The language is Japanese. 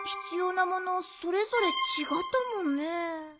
それぞれちがったもんね。